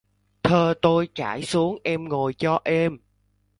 Thơ tôi trải xuống em ngồi cho êm...